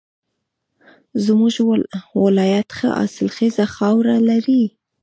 زمونږ ولایت ښه حاصلخیزه خاوره لري